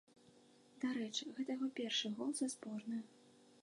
Дарэчы, гэта яго першы гол за зборную.